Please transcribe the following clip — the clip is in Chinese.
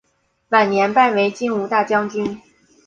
晚年拜为金吾大将军。